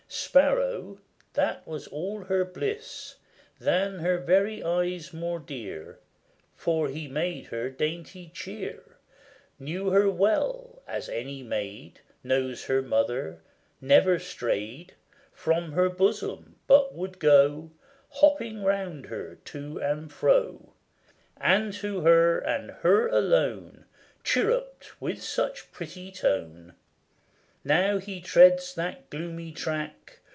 Sparrow, that was all her bliss, Than her very eyes more dear; For he made her dainty cheer, Knew her well, as any maid Knows her mother, never strayed From her bosom, but would go Hopping round her, to and fro, And to her, and her alone, Chirrup'd with such pretty tone. Now he treads that gloomy track.